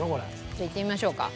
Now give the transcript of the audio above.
じゃあいってみましょうか。